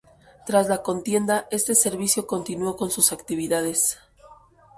Tras la contienda, este servicio continuó con sus actividades.